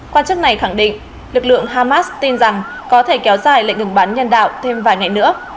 quan chức này khẳng định lực lượng hamas tin rằng có thể kéo dài lệnh ngừng bắn nhân đạo thêm vài ngày nữa